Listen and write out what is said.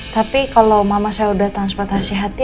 tapi kalau mama saya udah transportasi hati